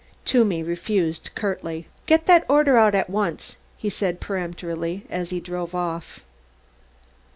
Toomey refused curtly. "Get that order out at once," he said peremptorily, as he drove off.